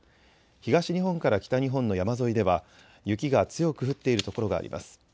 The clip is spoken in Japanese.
東日本から北日本の山沿いでは雪が強く降っているところがあります。